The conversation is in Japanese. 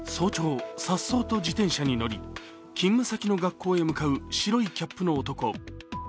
早朝、颯爽と自転車に乗り、勤務先の学校へ向かう白いキャップの男。